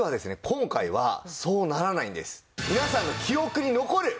今回はそうならないんです！